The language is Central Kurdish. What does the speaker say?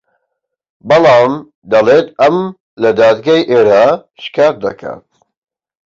بەڵام دەڵێت ئەم لە دادگای ئێرە شکات دەکات